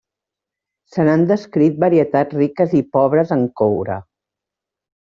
Se n'han descrit varietats riques i pobres en coure.